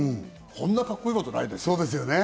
そんなカッコいいことないです。